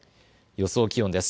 予想気温です。